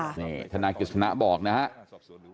นี่ธนายกิจสนะบอกนะครับ